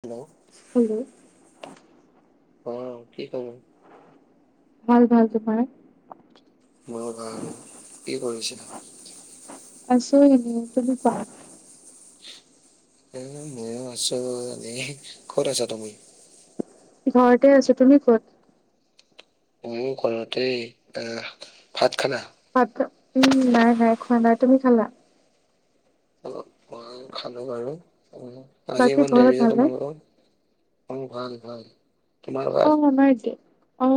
Hello. Hello অ, কি [unintelligible] ভাল, ভাল। তোমাৰ? মোৰ ভাল। কি কৰিছিলা? আছো ইনে। তুমি কোৱা। এনে মইও আছো এনে। ক'ত আছা তুমি? ঘৰতে আছো। তুমি ক'ত? মইও ঘৰতে, আ ভাত খালা? ভাত উম নাই, নাই খোৱা নাই। তুমি খালা‌? অলপ মই খালো বাৰু। [unintelligible] আজি বাকী ইমান ঘৰত দেৰি যে ভালনে তোমালোকৰ? উ ভাল, ভাল। তোমাৰ অ, ভাল? আমাৰ দে অ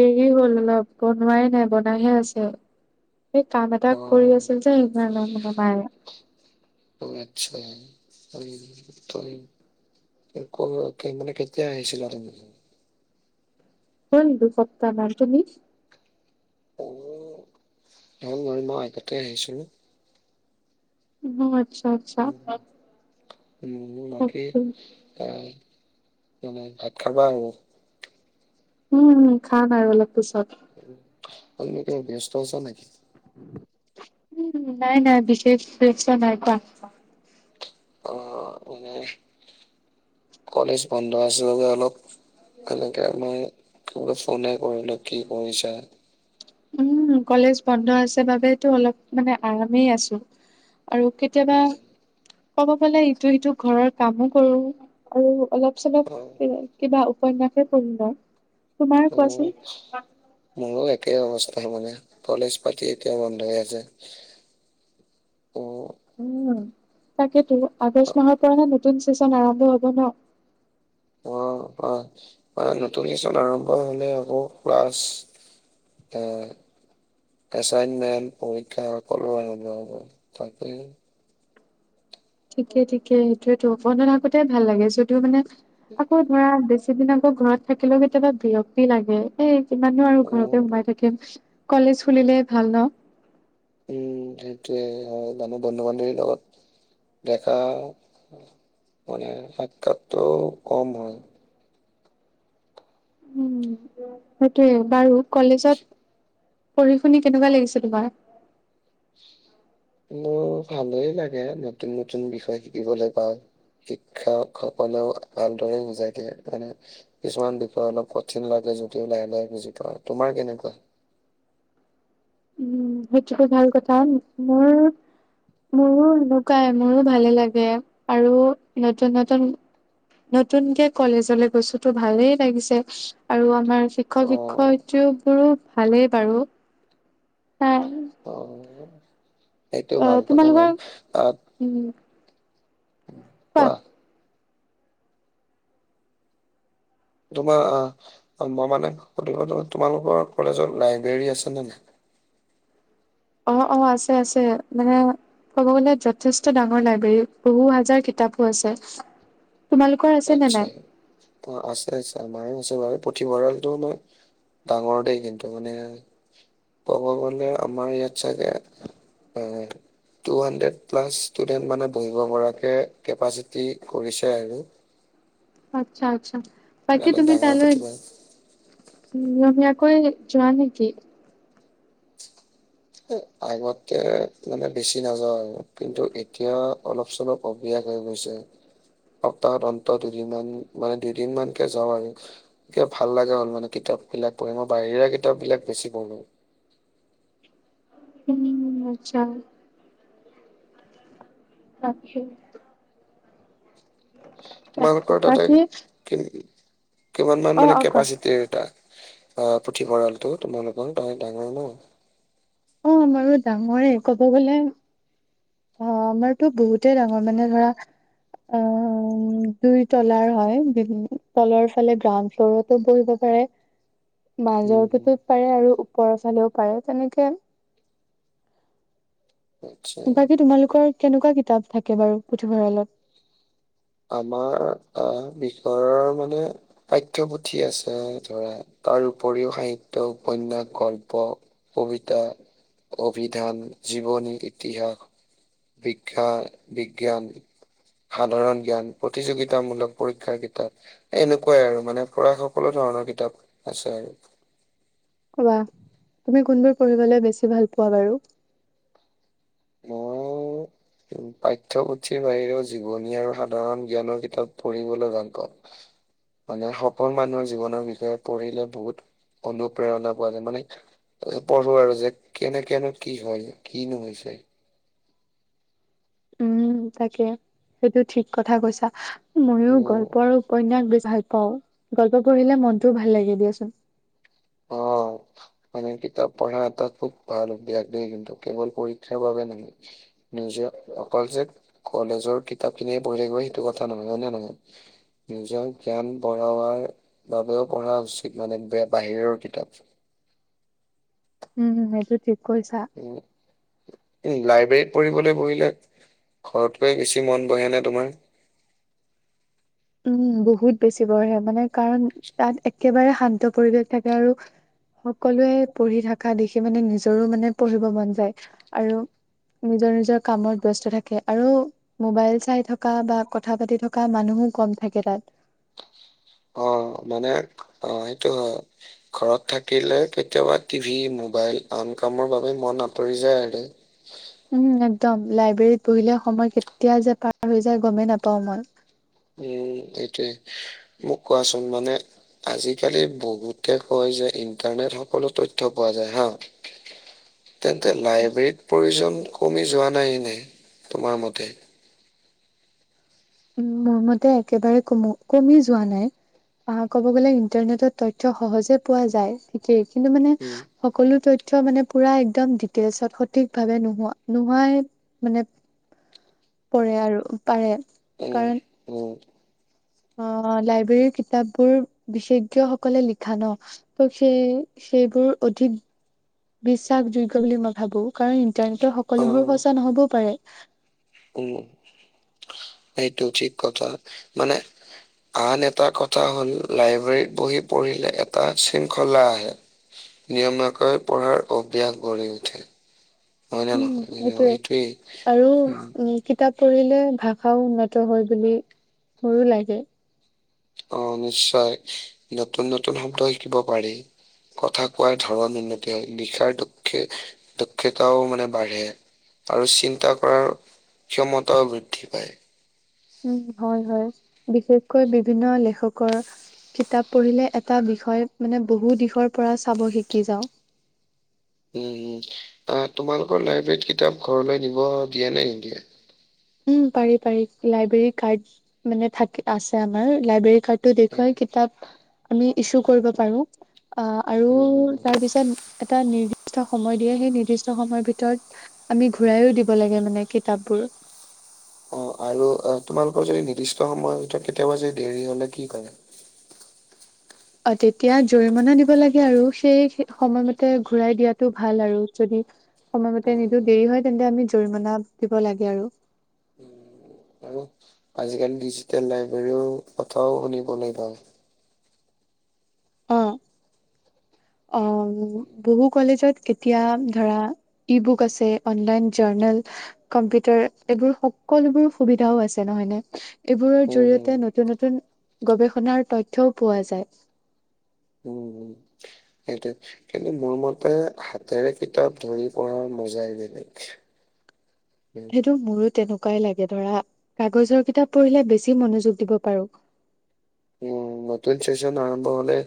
দেৰি হ'ল অলপ। বনোৱাই নাই, বনাইহে আছে। এ কাম এটা অ কৰি আছিল যে সেইকাৰণে মানে মায়ে অ আচ্ছা [unintelligible] [unintelligible] মানে কেতিয়া আহিছিলা তুমি? হ'ল দুসপ্তাহমান, তুমি? অ, হ'ল মই মই [unintelligible] তে আহিছিলোঁ। অ আচ্ছা, আচ্ছা। [unintelligible] [unintelligible] তুমি ভাত খাবা আৰু। উম, খাম আৰু অলপ পিছত। [unintelligible] তুমি ব্যস্ত আছা নেকি? উ নাই নাই বিশেষ ব্যস্ত নাই, কোৱা। অ, মানে কলেজ বন্ধ আছিল বাবে অলপ সেনেকে আমি [unintelligible] ফনে কৰিলো কি কৰিছা? উম, কলেজ বন্ধ আছে বাবেতো অলপ মানে আৰামেই আছো আৰু কে কেতিয়াবা উম, ক'ব গলে ইটো সিটো ঘৰৰ কামো কৰো আৰু অলপ চলপ অ' কিবা উপন্যাসে পহি লও। উ [unintelligible] মোৰো একেই অৱস্থা মানে। কলেজ পাতি এতিয়া বন্ধ হৈ আছে। উম, উ, তাকেটো। আগষ্ট মাহৰ পৰাহে নতুন চেচন আৰম্ভ হ'ব ন? অ, অ নতুন চেচন আৰম্ভ হ'লে আকৌ ক্লাছ আ এচাইনমেন্ট, পৰীক্ষা সকলো আৰম্ভ হ'ব। তাকেই ঠিকে, ঠিকে। সেইটোৱেটো। বন্ধ থাকোতেই ভাল লাগে, যদিও মানে আকৌ ধৰা বেছ সেদিনা আকৌ ঘৰত থাকিলেও কেতিয়াবা বিৰক্তি লাগে। এই কিমাননো আৰু ঘৰতে সোমাই থাক কিম। কলেজ খুলিলেই ভাল ন। উম, সেইটোৱে হয়। [unintelligible] বন্ধু-বান্ধৱীৰ লগত দেখা মানে সাক্ষাৎটো কম হয়। সেইটোৱে, বাৰু কলেজত পঢ়ি- শুনি কেনেকুৱা লাগিছে তোমাৰ? মোৰ ভালেই লাগে নতুন নতুন বিষয় শিকিবলে পাওঁ। শিক্ষকসকলেও ভালদৰে বুজাই দিয়ে মানে কিছুমান বিষয় অলপ কঠিন লাগে যদিও লাহে লাহে বুজি পাওঁ, তোমাৰ কেনেকুৱা? উম, সেইটো [unintelligible] ভাল কথা। মোৰ মোৰো সেনকুৱাই। মোৰো ভালে লাগে আৰু নতুন নতুন নতুনকে কলেজলে গৈছো তো ভালেই লাগিছে। আৰু আমাৰ অ', শিক্ষক-শিক্ষয়িত্ৰীওবোৰো ভালেই বাৰু। পাম অ', সেইটো ভাল কথা তোমালোকৰ বাৰু। [unintelligible] উম। কোৱা। তোমা অ মই মানে সুধিব [unintelligible] তোমালোকৰ কলেজৰ লাইব্ৰেৰী আছে নে নাই? অ, অ আছে, আছে। মানে ক'ব গলে যথেষ্ট ডাঙৰ লাইব্ৰেৰী, বহু হাজাৰ কিতাপো আছে। তোমালোক আচ্ছা, আছে, আছে আমাৰো আছে বাৰু। পুথিভঁৰালটো মা ডাঙৰ দেই কিন্তু। মানে ক'ব গলে আমাৰ ইয়াত চাগে উম। টু হাণ্ড্ৰেড প্লাছ ষ্টুডেন্ট মানে বহিব পৰাকে কেপাচিটি কৰিছে আৰু। আচ্ছা, আচ্ছা। বাকী অলপ তুমি ডাঙৰ তালৈ প্ৰতিভা নিয়মীয়াকৈ যোৱা নেকি? এ আগতে মানে বেছি নাযাওঁ আৰু কিন্তু এতিয়া অলপ-চলপ অ বিয়া হৈ গৈছে। সপ্তাহত অন্ত দুদিনমান মানে দুদিনমানকে যাওঁ আৰু। কিবা ভাল লাগা হ'ল মানে কিতাপবিলাক পঢ়ি। মই বাহিৰা কিতাপবিলাক বেছি পঢ়ো। উ আচ্ছা। তাকে। তাকে তোমালোকৰ তাতে বাকী অ কি-কিমানমান মানে অ কোৱা কেপাচিটিৰ এটা অ পুথিভঁৰালটো তোমালোকৰ তহ ডাঙৰ ন? অ, আমাৰো ডাঙৰে, ক'ব গলে অ, আমাৰতো বহুতেই ডাঙৰ। মানে ধৰা আ দুই তলাৰ হয় [unintelligible] তলৰ ফালে গ্ৰাউণ্ড ফ্ল'ৰতো বহিব পাৰে। [inaudible] উম হম মাজৰটোতো পাৰে আৰু ওপৰৰ ফালেও পাৰে। তেনেকে আচ্ছা বাকী তোমালোকৰ কেনেকুৱা কিতাপ থাকে বাৰু পুথিভঁৰালত? আমাৰ আ বিষয়ৰ মানে পাঠ্যপুথি আছে ধৰা তাৰ উপৰিও সাহিত্য, উপন্যাস, গল্প কবিতা, অভিধান, জীৱনী, ইতিহাস শিক্ষা, বিজ্ঞান সাধাৰণ জ্ঞান, প্ৰতিযোগিতামূলক পৰীক্ষাৰ কিতাপ এনেকুৱাই আৰু মানে পুৰা সকলো ধৰণৰ কিতাপ আছে আৰু। কোৱা, তুমি কোনবোৰ পঢ়িবলে বেছি ভাল পোৱা বাৰু? ম পাঠ্যপুথিৰ বাহিৰেও জীৱনী আৰু সাধাৰণ জ্ঞানৰ কিতাপ পঢ়িবলে ভাল পাওঁ। মানে সফল মানুহৰ জীৱনৰ বিষয়ে পঢ়িলে বহুত অনুপ্ৰেৰণা পোৱা যায়। মানে অ পঢ়ো আৰু যে কেনেকেনো কি হয়, কিনো হৈছে। উ, তাকে। সেইটো ঠিক কথা কৈছা। মইও উম গল্প আৰু উপন্যাস বেছি ভাল পাওঁ। গল্প পঢ়িলে মনটোও ভাল লাগে দিয়াচোন। অ। মানে কিতাপ পঢ়া এটা খুব ভাল অভ্যাস দেই, কিন্তু কেৱল পৰীক্ষাৰ বাবে [unintelligible] নিজেও অকল যে কলেজৰ কিতাপ খিনিয়ে পঢ়ি থাকিব সেইটো কথা নহয়, হয় নে নহয়? নিজৰ জ্ঞান বঢ়াবাৰ বাবেও পঢ়া উচিত মানে বে বাহিৰৰ কিতাপ। উম, সেইটো ঠিক কৈছা। উম, এই লাইব্ৰেৰীত পঢ়িবলৈ বহিলে ঘৰতকৈ বেছি মন বহে নে তোমাৰ? উম, বহুত বেছি বহে। মানে কাৰণ তাত একেবাৰে শান্ত পৰিৱেশ থাকে আৰু সকলোৱে পঢ়ি থাকা দেখি মানে নিজৰো মানে পঢ়িব মন যায় আৰু নিজৰ নিজৰ কামত ব্যস্ত থাকে আৰু মোবাইল চাই থকা বা কথা পাতি থকা মানুহো কম থাকে তাত। অ, মানে অ সেইটো হয়। ঘৰত থাকিলে কেতিয়াবা টিভি, মোবাইল আন কামৰ বাবে মন আঁতৰি যায় আৰু। উম, একদম। লাইব্ৰেৰীত বহিলে সময় কেতিয়া যে পাৰ হৈ যায় গমে নাপাও মই। উম, এইটোৱে। মোক কোৱাচোন মানে আজি-কালি বহুতে কয় যে ইন্টাৰনেট সকলো তথ্য পোৱা যায় হা। [inaudible] তেন্তে লাইব্ৰেৰীত প্ৰয়োজন কমি যোৱা নাই নে তোমাৰ মতে? উম, মোৰ মতে একেবাৰে কমো কমি যোৱা নাই। আ ক'ব গ'লে ইণ্টাৰনেটত তথ্য সহজে পোৱা যায় ঠিকেই, কিন্তু মানে উম সকলো তথ্য মানে পুৰা একদম ডিটেইলচত সঠিকভাৱে নোহোৱা নোহোৱাই মানে পৰে আৰু পাৰে কাৰণ উ। অ, লাইব্ৰেৰীৰ কিতাপবোৰ বিশেজ্ঞসকলে লিখা ন ত সেই সেইবোৰ অধিক বিশ্বাসযোগ্য বুলি মই ভাবো। কাৰণ ইণ্টাৰনেটৰ অ সকলোবোৰ সঁচা নহ'বও পাৰে। উম, সেইটো ঠিক কথা মানে আন এটা কথা হ'ল লাইব্ৰেৰীত বহি পঢ়িলে এটা শৃংখলা আহে। নিয়মীয়াকৈ পঢ়াৰ অভ্যাস গঢ়ি উঠে। হয় নে উম, নহয় এইটোৱে এইটোৱেই আৰু উম কিতাপ পঢ়িলে ভাষাও উন্নত হয় বুলি মোৰো লাগে। অ, নিশ্চয়। নতুন নতুন শব্দ শিকিব পাৰি। কথা কোৱাৰ ধৰণ, উন্নতি [unintelligible] লিখাৰ দক্ষ দক্ষতাও মানে বাঢ়ে। আৰু চিন্তা কৰাৰ ক্ষমতাও বৃদ্ধি পায়। উম হয়, হয়। বিশেষকৈ বিভিন্ন লেখকৰ কিতাপ পঢ়িলে এটা বিষয়ত মানে বহু দিশৰ পৰা চাব শিকি যাওঁ। উম, উম। আ তোমালোকৰ লাইব্ৰেৰীত কিতাপ ঘৰলৈ নিব দিয়ে নে নিদিয়ে? উম, পাৰি, পাৰি। লাইব্ৰেৰী কাৰ্ড মানে থাকে আছে আমাৰ। লাইব্ৰেৰী কাৰ্ড টো উম দেখুৱাই কিতাপ আমি ইছু কৰিব পাৰো আ আৰু উম উম উম। তাৰপিছত এটা নিৰ্দিষ্ট সময় দিয়ে, সেই নিৰ্দিষ্ট সময়ৰ ভিতৰত আমি ঘূৰাইও দিব লাগে মানে কিতাপবোৰ। অ, আৰু আ তোমালোকৰ যদি নিৰ্দিষ্ট সময়ৰ ভিতৰত কেতিয়াবা যদি দেৰি হ'লে কি কৰে? অ, তেতিয়া জৰিমনা দিব লাগে আৰু সেই সময়মতে ঘূৰাই দিয়াটো ভাল আৰু যদি সময়মতে নিদো দেৰি হয় তেন্তে আমি জৰিমনা দিব লাগে আৰু। আৰু? আজি-কালি ডিজিটেল লাইব্ৰেৰীও কথাও শুনিবলে পাও। [inaudible] অ, বহু কলেজত এতিয়া ধৰা ই বুক আছে, অনলাইন জাৰ্নল কম্পিউটাৰ এইবোৰ সকলোবোৰ সুবিধাও আছে, নহয় নে? এইবোৰৰ উম, হম, জৰিয়তে নতুন নতুন গৱেষণাৰ তথ্যও পোৱা যায়। উম, হম, সেইটোৱে। কিন্তু মোৰ মতে হাতেৰে কিতাপ ধৰি পঢ়াৰ মজাই বেলেগ। [unintelligible] সেইটো মোৰো তেনেকুৱাই লাগে। ধৰা কাগজৰ কিতাপ পঢ়িলে বেছি মনোযোগ দিব পাৰোঁ। অ, নতুন চেচন আৰম্ভ হ'লে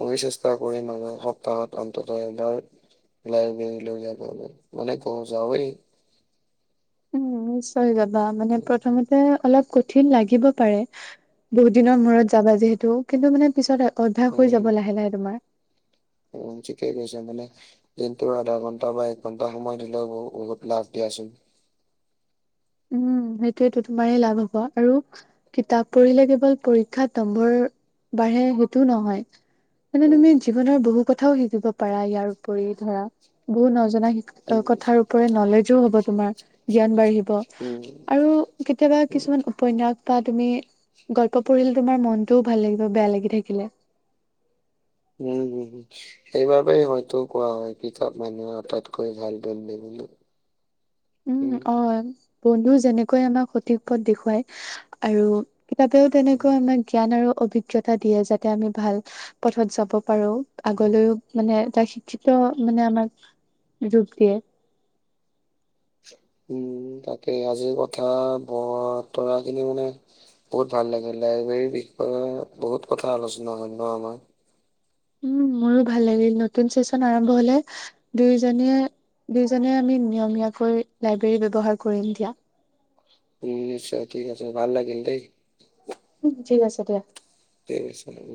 মইয়ো চেষ্টা কৰিম আৰু সপ্তাহত অন্তত এবাৰ লাইব্ৰেৰীৰ [unintelligible] মানে ক যাওঁৱেই। উম, নিশ্চয় যাবা মানে উম, প্ৰথমতে অলপ কই কঠিন লাগিব পাৰে বহুত দিনৰ মূৰত যাবা যিহেতু। কিন্তু মানে পিছত আ অভ্যাস হৈ উম, যাব লাহে- লাহে তোমাৰ। উম, ঠিকে কৈছা মানে দিনটো আধা ঘন্টা বা এক ঘন্টা সময় দিলেও ব বহুত লাভ দিয়াচোন। উম, সেইটোৱেতো তোমাৰেই লাভ হ'ব, আৰু কিতাপ পঢ়িলে কেৱল পৰীক্ষাত নম্বৰ বাঢ়ে সৌটো নহয়। মানে তুমি জীৱনৰ বহু কথাও শিকিব পাৰা ইয়াৰ উপৰি ধৰা, বহু নজনা শিক অ', উম, কথাৰ ওপৰে নলেজো হ'ব তোমাৰ, জ্ঞান বাঢ়িব উম, উম, আৰু কেতিয়াবা কিছুমান উ উপন্যাস বা তুমি গল্প পঢ়িলে তোমাৰ মনটোও ভাল লাগিব, বেয়া লাগি থাকিলে। উম, হম, হম। সেইবাবেই হয়তো কোৱা হয়, কিতাপ মানুহৰ আটাইতকৈ ভাল বন্ধু বুলি। উম, অ', বন্ধু যেনেকৈ আমাক সঠিক পথ দেখুৱায় আৰু কিতাপেও উম, তেনেকুৱা আমাক জ্ঞান আৰু অভিজ্ঞতা দিয়ে, যাতে আমি ভাল পথত যাব পাৰো, আগলৈও মানে এটা শিক্ষিত মানে আমাক [unintelligible] দিয়ে। উম, উম, তাকেই, আজিৰ কথা বৰ তৰাখিনি মানে বহুত ভাল লাগিলে, [unintelligible] বিষয় বহুত কথা আলোচনা হ'ল ন আমাৰ। উম, মোৰো ভাল লাগিল, নতুন চেচন আৰম্ভ হ'লে দুয়োজনীয়ে দুইজনে আমি নিয়মীয়াকৈ লাইব্ৰেৰী ব্যৱহাৰ কৰিম দিয়া। নিশ্চয়, ঠিক আছে ভাল লাগিল দেই। ঠিক আছে দিয়া। ঠিক আছে হ'ব।